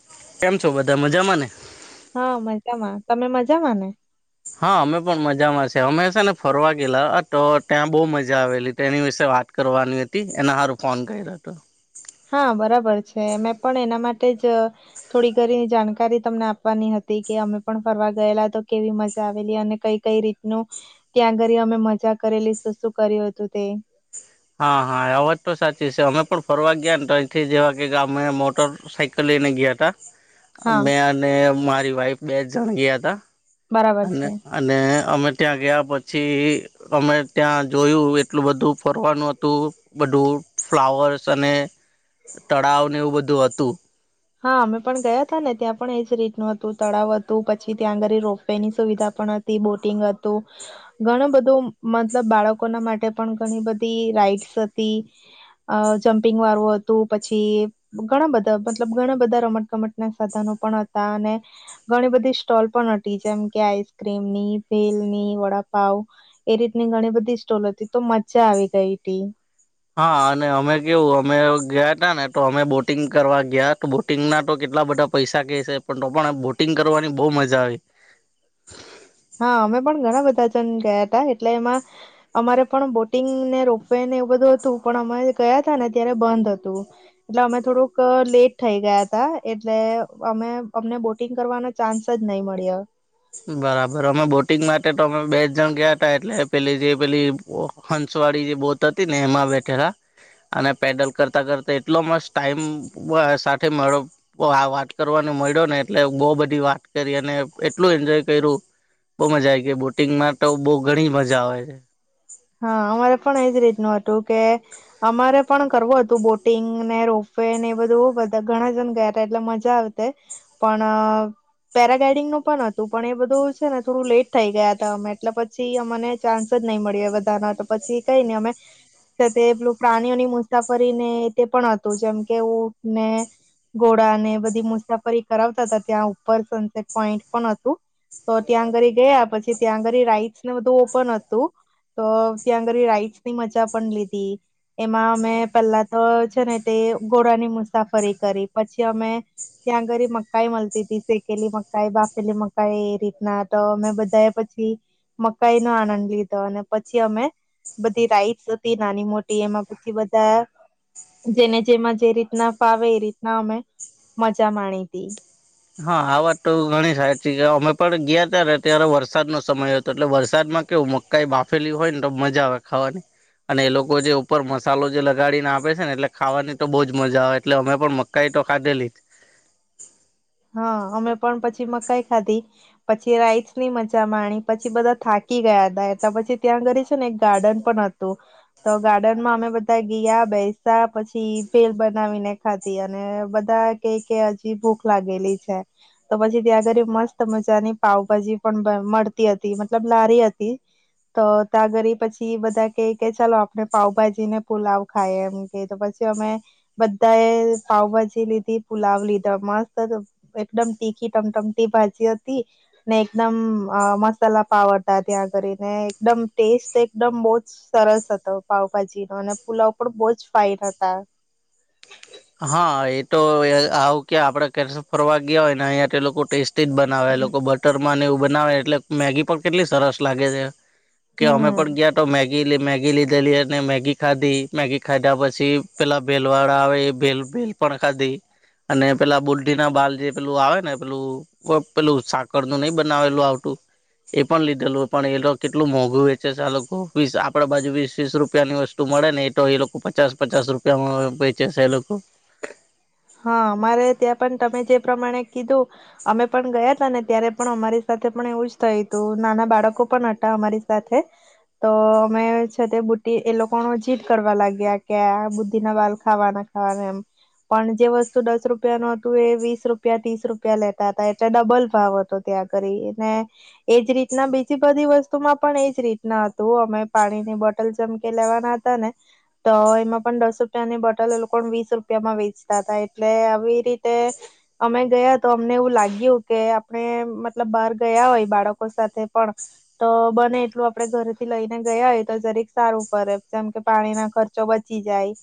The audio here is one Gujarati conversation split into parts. [inaudible] કેમ છો બધા મજામાં ને? હા તમે મજામાં ને? હા અમે પણ મજામાં છે. તે અમે છે ને ફરવા ગેલા તો ત્યાં બહુ મજા આવેલી તો એની વિશે વાત કરવાની હતી એને સારું ફોન કર્યો હતો. હા બરાબર છે મેં પણ એના માટે જ, થોડી ઘડી જાણકારી તમને આપવાની હતી કે અમે પણ ફરવા ગયેલા તો કેવી મજા આવેલી અને કઈ કઈ રીતનું, ત્યાં ઘરે અમે મજા કરેલી શું કર્યું હતું તે. કરવાવા ગ્ઞાન તો, એથી જેવા કે ગમે મ મોટર સઇકલ લઈને ગયા હતા. હા મેં અને મારી વાઈ બે જણ ગયા હતા. બરાબર અને છે અને! અમે ત્યાં ગયા પછી, અમે ત્યાં જોયું એટલું બધું પબ કરવાનું હતું, બધું ફ્લાવર્સ અને તળાવને એવું બધું હતું. હા અમે પણ ગયા હતા ને ત્યાં પણ એજ રીતનું હતું તળાવ હતું, પછી ત્યાં આગળ રોપ વે ની સુવિધા પણ હતી. બોટિંગ હતું ઘણું બધું, મતલબ બાળકોના માટે પણ ઘણી બધી રાઈડ્સ હતી જમ્પિંગ વાળું હતું. પછી ઘણા બધા મતલબ ઘણા બધા રમતગમત ના સાધનો પણ હતા, અને ઘણી બધી સ્ટોલ પણ હતી. જેમ કે આઈસક્રીમની, ભેલની, વડાપાવ એ રીતની ઘણી બધી સ્ટોલ હતી. તો મજા આવી ગઈ હતી. હા! અને અમે કેવું અમે ગયાતા ને તો અમે બોટિંગ કરવા ગયા તો, બોટિંગના તો કેટલા બધા પૈસા કે છે, પણ તો પણ બોટિંગ કરવાની બહુ મજા આવી. હા! અમે પણ ઘણા બધા જન ગયા હતા. એટલે એમાં અમારે પણ બોટિંગને, રોપવે ને એવું બધું હતું પણ, અમે ગયા હતાા ને ત્યારે બંધ હતું. એટલે અમે થોડુંક લેટ થઇ ગયા તા, એટલે અમે અમને બોટિંગ કરવાનો ચાન્સ જ નહી મળ્યો. બરાબર અમે બોટિંગ મારી, માટે તો અમે બે જ જણ ગયા હતા. એટલે પેલી જે પેલી હંસવાળી જે બોત હતી ને એમાં બેઠેલા. અને પેડલ કરતા કરતા એટલો મસ્ત ટાઈમ સાથે મળયો આ વાત કરવાને મળ્યો ને એટલે બહુ બધી વાત કરી અને એટ એટલું એન્જોય કર્યું. બહુ મજા આવી ગઈ બોટિંગમાં તો બહ ઘણી મજા આવે છે. તો કે અમારે પણ કરવું હતું બોટિંગ, ને રોપ વે ને એ બધું, બધા ઘણા જણ ગયા હતા એટલે મજા આવતે, પણ પેરાગ્લાઇડિંગ નું પણ હતું. પણ એ બધું છે ને થોડું લેટ થઈ ગયા હતા. અમે એટલે પછી અમને ચાન્સ જ નહી મળ્યો. [inaudible] પછી કઈ નહી અમે તે પેલું પ્રાણીઓની મુસાફરીને તે પણ હતું જેમ કે ઊંટ ને, ઘોડાને બધી મુસાફરી કરાવતા હતા. ત્યાં ઉપર સનસેટ પોઈન્ટ પણ હતું. તો ત્યાં આગળ ગયા પછી ત્યાં આગળ રાઈટ્સને બધું ઓપન હતું. તો ત્યાં આગળ રાઈટસ ની મજા પણ લીધી. એમાં અમે પહેલા તો છે ને તે ઘોડાની મુસાફરી કરી. પછી અમે ત્યાંગરી મકાઈ મળતી હતીી શેકેલી મકાઈ, બાફેલી મકાઈ, એ રીતના તો અમે બધાએ પછી મકાઈ નો આનંદ લીધો અને પછી અમે બધી રાઈડસ હતી. નાની મોટી એમાં પછી બધા જેને જેમાં જે રીતના ફાવે એ રીતના અમે મજા માણી હતી. હા આ વાત તો ઘણી સાચી છે. અમે પણ ગયાતા ને ત્યારે વરસાદનો સમય હતો. એટલે વરસાદમાં કેવું મકાઈ બાફેલી હોય ને તો મજા આવે ખાવાની. અને એ લોકો જે ઉપર મસાલો જે લગાડીને આપે છે ને એટલે ખાવાની તો બહુ જ મજા આવે, એટલે અમે પણ મકાઈ તો ખાધેલી જ. હા અમે પણ પછી મકાઈ ખાધી, પછી રાઈસ ની મજા માણી, પછી બધા થાકી ગયા હતા. એ પછી ત્યાં આગરી છે ને એક ગાર્ડન પણ હતું, તો ગાર્ડનમાં અમે બધા ગયા બેસા્યા, પછી ભેલ બનાવીને ખાધી અને બધા કે કે હજી ભૂખ લાગેલી છે તો, પછી ત્યાં આગળ મસ્ત મજાની પાાવભાજી પણ મળતી હતી. મતલબ લારી હતી. તો ત્યાંગરે પછી બધા કે કે ચાલો આપણે પાાવભાજી ને પુલાવ ખાય, એમ કે તો પછી અમે બધા એ પાઉભાજી લીધી પુલાવ લીધો મસ્ત એકદમ તીખી ટમટમટી ભાજી હતી ને, એકદમ મસાલા પાવ હતા. ત્યાં કરીને એકદમ ટેસ્ટ એકદમ બહ જ સરસ હતો પાવભાજી નો, અને પુલાવ પણ બહું જ ફાઇન હતા. હા એ તો આવું ક્યા? આપડે કેસે ફરવા ગયા હોય ને અહં તે લોકો ટેસ્ટ જ બનાવે લોકો બટર માં ને એવું બનાવે એટલે મેગી પણ, કેટલી સરસ લાગે છે. કે અમે હમ પણ ગયા તો મે મેગી, મેગી લીધેલી અને મેગી ખાધી મેગી ખાધા પછી પેલા ભેલવાડા આવે ભેલ, ભેલ પણ ખાધી. અને પેલા બુ ના બાલ, જે પેલું આવે ને, પેલું પેલું સાકર નું નહી બનાવેલું આવતું. એ પણ લીધેલું. પણ એ લોકો કેટલું મોંઘું વેચે છે. આ લોકો વીસ આપણા બાજુ વીસ, વીસ રૂપિયાની વસ્તુ મળે ને એ તો, એ લોકો પચાસ પચાસ રૂપિયામાં વેચે છે એ લોકો. ઓ [inaudible] હા! અમારે ત્યાં પણ તમે જે પ્રમાણે કીધું. અમે પણ ગયાતા ને ત્યારે પણ અમારી સાથે પણ એવું જ થય હતું. નાના બાળકો પણ હતા અમારી સાથે તો, અમે છે તે બુદ્ધ એ લોકોનો જીદ કરવા લાગ્યા કે બુદ્ધિ ના વાલ ખાવાના ખાવાના એમ. પણ જે વસ્તુ દસ રૂપિયાનું હતું, એ વીસ રૂપિયા ત્રીસ રૂપિયા લેતા હતા. એટલે ડબલ ભાવ હતો, ત્યાં કરી ને એજ રીતના બીજી બધી વસ્તુમાં પણ એજ રીતના હતું. અમે પાણીની બોટલ જમકે લેવાના હતા ને તો, એમાં પણ દસ રૂપિયાની બોટલ લોકો વીસ રૂપિયામાં વેચ [inaudible] એટલે આવી રીતે અમે ગયા તો અમને એવું લાગ્યું કે, આપણે મતલબ બહાર ગયા હોય, બાળકો સાથે પણ તો બને એટલું આપડણે ઘરેથી લઈને ગયા હોય તો જરીક સારું પડે જેમ કે, પાણી ના ખર્ચો બચી જાય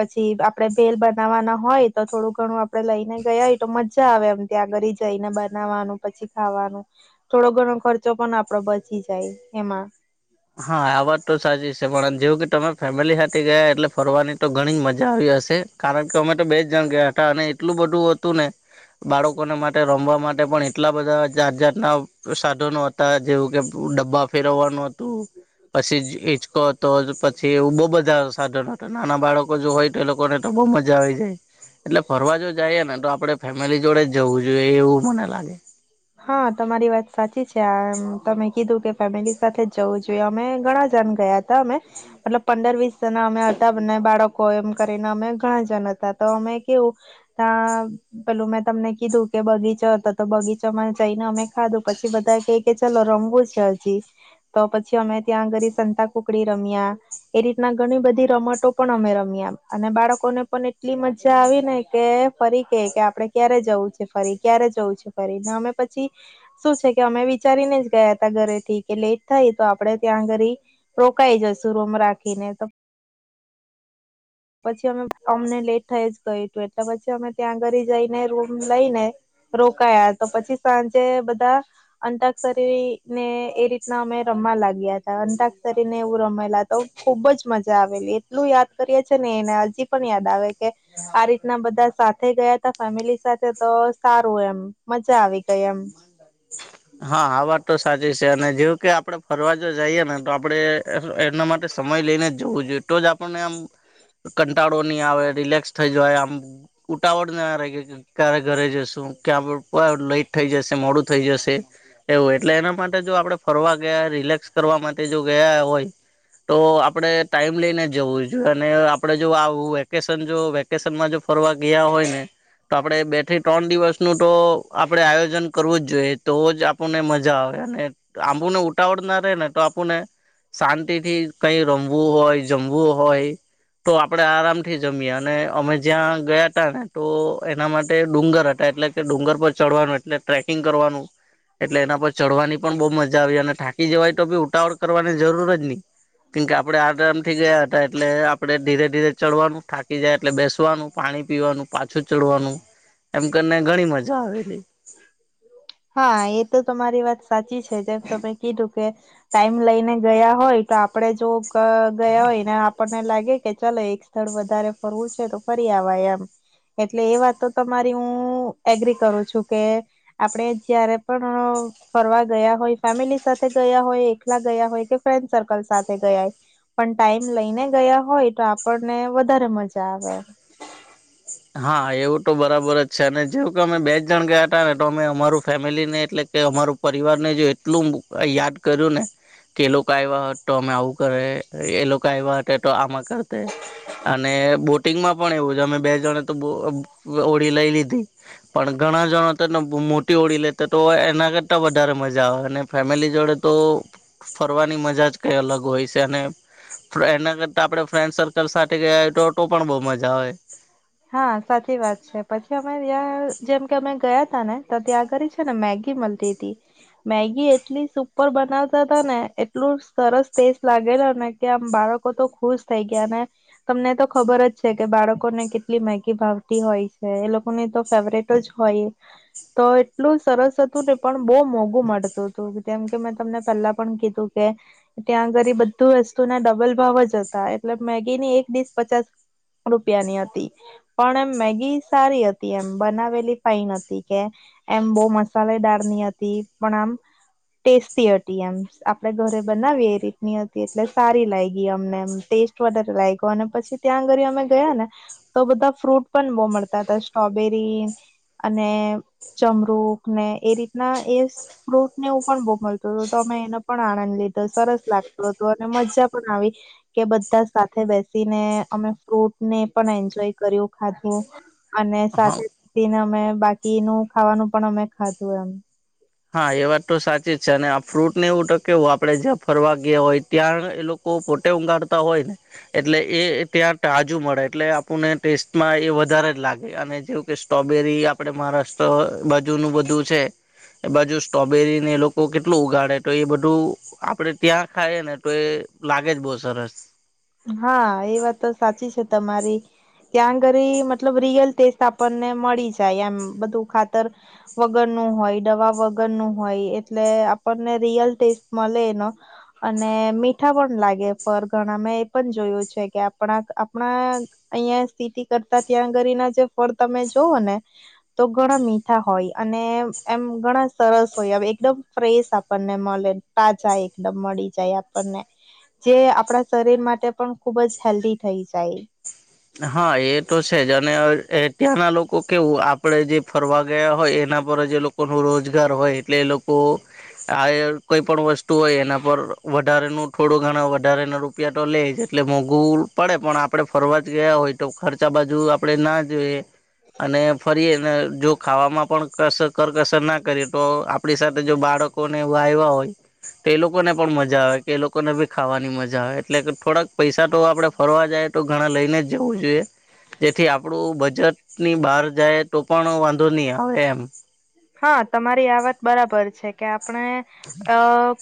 પછી આપડે ભેલ બનાવવાના હોય તો થોડું ઘણું આપડે લઈને ગયા હોય તો મજા આવે. એમ ત્યાં આગરી જઈને બનાવાનું. પછી ખાવાનું, થોડો ઘણો ખર્ચો પણ આપડો બચી જાય એમાં હા આ વાત તો સાચી છે. પણ જેવું કે તમે ફેમિલી સાથે ગયા, એટલે ફરવાની તો ઘણી જ મજા આવી હશે કારણ કે, અમે તો બે જ જણ ગયા હતા અને એટલું બધું હતું ને, બાળકોને માટે રમવા માટે પણ એટલા બધા જાત જાતના સાધનો હતા. જેવું કે ડબ્બા ફેરવવાનું હતું. પછી હિચકો હતો. પછી એવું બહુ બધા સાધનો હતા. નાના બાળકો જો હોય તો એ લોકોને તો બહ મજા આવી જાય. એટલે ફરવા જો જઈએ ને તો આપડે, ફેમિલી જોડે જ જઉ જો એવું મને લાગે. હા તમારી વાત સાચી છે આ એમ તમે કીધું કે ફેમિલી સાથે જવું જોઈએ અમે ઘણા જણ ગયા હતા અમે મતલબ પંદર વીસ જણા અમે હતા બને બાળકો એમ કરીને અમે ઘણા જણ હતા તો અમે કેવું ત્યાં પેલું મેં તમને કીધું કે બગીચ તો તો બગીચામાં જઈને અમે ખાધું પછી બધા ક કે ચાલ રમવું છે હજી તો પછી અમે ત્યાં આગળ સંતાકુકડી રમ્યા એ રીતના ઘણી બધી રમતો પણ અમે રમ્યા અને બાળકોને પણ એટલી મજા આવીને કે ફરી કે કે આપડે ક્યારે જવું છે ફરી ક્યારે જવું છે ફરીને અમે પછી શું છે કે અમે વિચારીને જ ગયાતા ઘરેથી કે લેટ થાય તો આપણે ત્યાં ઘરી રોકાઈ જશું. રૂમ રાખીને તો પછી અમે અમને લેટ થઈ જ ગયું તું એટલે પછી અમે ત્યાં ઘરી જઈને રૂમ લઈને રોકાયા તો પછી સાંજે બધા અંતાક્ક્ષરીને એ રીતના અમે રમવા લાગ્યા તા. અંતાક્ક્ષરીને એવું રમેલા તો ખુબ જ મજા આવેલી. એટલું યાદ કરીએ છે ને એને હજી પણ યાદ આવે કે આ રીતના બધા સાથે ગયા તા ફેમિલી સાથે તો સારું એમ મજા આવી ગઈ એમ હા આ વાત તો સાચી છે અને જેવ કે આપડે ફરવા જો જઈએ ને તો આપડે એમના માટે સમય લઈને જ જવું જોઈએ તો જ આપણને આમ કંટાળો નહી આવે રિલેક્સ થઈ જાય આમ ઉટાવળ ના રહિએ કે ક્યારે ઘરે જશું ક્યાં [unintelligible] લઈટ થઈ જશે મોડું થઈ જશે. એવું એટલે એના માટે જો આપડે ફરવા ગયા, રિલેક્સ કરવા માટે જો ગયા હોય તો આપડે ટાઈમ લઈને જવું જોઈએ અને આપડે જો આવ વેકેશન જો વેકેશનમાં જો ફરવા ગયા હોય ને તો આપડે બે થી ત્રણ દિવસ નું તો આપડે આયોજન કરવું જ જોય. તો જ આપણને મજા આવે અને આંબુને ઉટાવળ ના રહે ને તો આપણને શાંતિથી કઈ રમવું હોય, જમવું હોય તો આપણે આરામથી જમીએ અને અમે જ્યાં ગયા હતા ને તો એના માટે ડુંગર હતા એટલે કે ડુંગર પર ચડવાનું એટલે ટ્રેકિંગ કરવાનું એટલે એના પર ચઢવાની પણ બહુ મજા આવી અને ઠાકી જવાય તો બી ઉતાવળ કરવાની હમ્મ કેમકે આપડે આરામથી ગયા હતા એટલે આપણે ધીરે ધીરે ચડવાનું થાકી જાય એટલે બેસવાનું, પાણી પીવાનું, પાછું ચડવાનું એમ કરીને ઘણી મજા આવેલી. હા એ તો તમારી વાત સાચી છે જેમ તમે કીધું કે ટાઈમ લઈને ગયા હોય તો આપડે જો ગ ગયા હોય ને આ આપણને લાગે કે ચાલો એક સ્થળ વધારે ફરવું છે તો ફરી આવા એમ એટલે એ વાત તો તમારી હું એગ્રી કરું છું કે આપડે જયારે પણ ફરવા ગયા હોય ફેમિલી સાથે ગયા હોય એકલા ગયા હોય કે ફ્રેન્ડ સર્કલ સાથે ગયા હોય પણ ટાઈમ લઈને ગયા હોય તો આપણને વધારે મજા આવે. હા એવું તો બરાબર જ છે અને જેવું કે અમે બે જ જણ ગયા હતા ને તો અમે અમારું ફેમિલીને એટલે કે અમારુ પરિવારને જો એટલું યાદ કર્યું ને કે એ લોકો આવ્યા હોત તો અમે આવું કરે એ લોકો આવ્યા હતા તો આમાં કરતે અને બોટિંગમાં પણ એવું છે અમે બે જણ બો ઓળી લઈ લીધી. પણ ઘણા જણ તોને બો મો ઉરી લેતે તો એને તો વધારે મજા આવે અને ફેમિલી જોડે તો ફરવાની મજા જ કઈ અલગ હોય છે અને એના કરતા આપણે ફ્રેન્ડ સર્કલ સાથે ગયા હોય તો તો પણ બહુ મજા આવે. હા સાચી વાત છે પછી તમે ત્યાં જેમ કે અમે ગયા તા ને ત્યાં કને છે ને મેગી મળતી મેગી એટલી સુપર બનાવતા હતા ને એટલું સરસ ટેસ્ટ લાગેલા ને કે આમ બાળકો તો ખુશ થઈ ગયા ને તમને તો ખબર જ છે કે બાળકોને કેટલી મેગી ભાવતી હોય છે એ લોકોની તો ફેવરેટ જ હોય તો એટલું સરસ હતું ને. પણ બહુ મોઘું મળતું હતું જેમ કે મેં તમને પહેલા પણ કીધું કે ત્યાં આગળ બધું વસ્તુના ડબલ ભાવ જ હતા એટલે મેગી ની એક ડીસ પચાસ રૂપિયાની હતી પણ એમ મેગી સારી હતી એમ બનાવેલી ફાઈન હતી કે એમ બહુ મસાલે ડાર પણ આમ ટેસ્ટી હતી એમ આપણે ઘરે બનાવીએ એ રીતની હતી એટલે સારી લાયગી અમને એ ટેસ્ટ વધારે લાગ્યો અને પછી ત્યાં આગળ અમે ગયા ને તો બધા ફ્રૂટ પણ બહુ મળતા હતા સ્ટ્રોબેરી અને ચમરૂુક ને એ રીત ના એ ફ્રૂટ ને એવું પણ બહુ મળતું હતું તો અમે એનો પણ આનંદ લીધો સરસ લાગતું હતું અને મજા પણ આવી કે બધા સાથે બેસીને અમે ફ્રૂટ ને પણ એન્જોય કર્યું, ખાધું. અને હા સાથેને અમે બાકીનું ખાવાનું પણ અમે ખાધું એમ. હા એ વાત તો સાચી જ છે અને આ ફ્રૂટ ને એવું તો કેવું આપડે જ્યાં ફરવા ગયા હોય ત્યાં એ લોકો પોતે ઊંગાળતા હોય ને એટલે એ ત્યાં તાજુ મળે એટલે આપણને ટેસ્ટમાં એ વધારે જ લાગે અને જેવું કે સ્ટ્રોબેરી આપણે મહારાષ્ટ્ર બાજુનું બધું છે. એ બા જો સ્ટોબેરી ને લોક તો કેટલું ઉગાડે તો એ બધું આપડે ત્યાં ખાઈ ને તો એ લાગે જ બહુ સરસ. હા એ વાત તો સાચી છે તમારી ત્યાં ઘરે મતલબ રિયલ ટેસ્ટ આપણને મળી જાય એમ બધું ખાતર વગરનું હોય દવા વગરનું હોય એટલે આપણને રિયલ ટેસ્ટ મળે એનો અને મીઠા પણ લાગે ફર ઘણા મેં જોયું છે કે આપણા આપણા અહિયા સ્થિતિ કરતા ત્યાંગરી ના જે ફળ તમે જોવો ને તો ઘણા મીઠા હોય અને એમ ઘણા સરસ હોય હવે એકદમ ફ્રેશ આપણને મળે તાજા એકદમ મળી જાય આપણને જે આપણા શરીર મા તે પણ ખુબ જ હેલ્ધી થઈ જાય. હા એ તો છે જ અને ત્યાંના લોકો કેવું આપડે જે ફરવા ગયા હોય એના પર જે લોકો ન રોજગાર હોય એટલે એ લોકો આ કોઈ પણ વસ્તુ હોય એના પર વધારેનું થોડું ઘણા વધારે ના રૂપિયા તો લે જ એટલે મોંઘવું પડે પણ આપડે ફરવા ગયા હોય તો ખર્ચા બાજુ આપડે ના જોઈએ. અને ફરી એને જો ખાવામાં પણ કસ કરકસર ના કરીએ તો આપણી સાથે જો બાળકો ને એવા એવા હોય. તો એ લોકોને પણ મજા આવે કે એ લોકો ને ભી ખાવાની મજા આવે, એટલે કે થોડાક પૈસા તો આપડે ફરવા જાય તો ઘણા લઈને જ જવું જોઈએ, જેથી આપણું બજેટ ની બહાર જાય તો પણ વાંધો નહી આવે એમ. હા તમારી આ વાત બરાબર છે કે આપણે, અ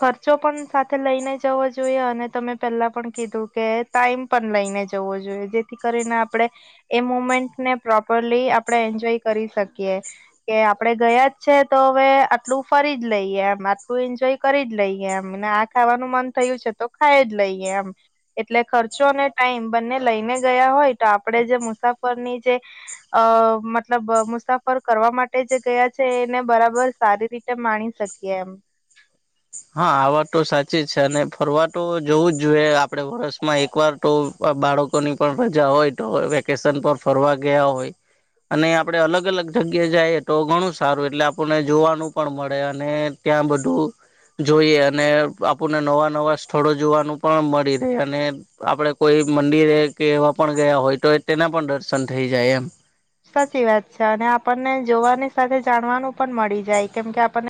ખર્ચો પણ સાથે લઈને જવો જોઈએ અને તમે પહેલા પણ કીધું કે ટાઈમ પણ લઈને જવો જોઈએ જેથી કરીને આપણે, એ મુમેન્ટને પ્રોપરલી આપણે એન્જોય કરી શકીએ, કે આપણેે ગયા જ છે તો હવે આટલું ફરી જ લઈએ એમ આટલું એન્જોય કરી જ લઈએ એમ આ ખાવાનું મન થયું છે તો ખાઈ જ લઈએ એમ, એટલે ખર્ચો અને ટાઈમ બંને લઈને ગયા હોય તો આપણે જે મુસાફરની જે, અ મતલબ મુસાફર કરવા માટે જે ગયા છે એને બરાબર સારી રીતે માણી શકીએ એમ. હા આ વાત તો સાચી છે અને ફરવા તો જોવું જ જોઈએ આપડે, વર્ષમાં એકવાર તો બાળકોની પણ રજા હોય તો વેકેશન પર ફરવા ગયા હોય અને આપડણે અલગ અલગ જગ્યા જઈએ, તો ઘણું સારું એટલે આપણને જોવાનું પણ મળે, અને ત્યાં બધું જોઈએ અને આપુને નવા નવા સ્થળો જોવાનું પણ મળે. પ અને આપડ કોઈ મંદિરે કે એવા પણ ગયા હોય તો તેના પણ દર્શન થઈ જાય એમ. સાચી વાત છે અને આપણને જોવાની સાથે જાણવાનું પણ મળી જાય કેમ કે આપણને